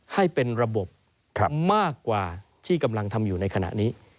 ให้เป็นระบบมากกว่าที่กำลังทำอยู่ในขณะนี้